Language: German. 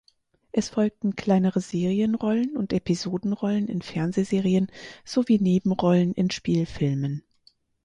Es folgten kleinere Serienrollen und Episodenrollen in Fernsehserien sowie Nebenrollen in Spielfilmen.